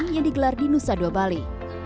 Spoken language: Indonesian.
yang digelar di nusa dua bali